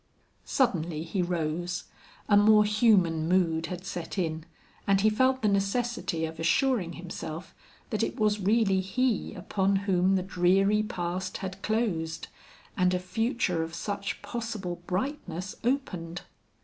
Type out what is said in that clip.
Suddenly he rose; a more human mood had set in, and he felt the necessity of assuring himself that it was really he upon whom the dreary past had closed, and a future of such possible brightness opened.